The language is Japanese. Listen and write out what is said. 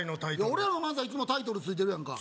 俺らの漫才いつもタイトルついてるやんか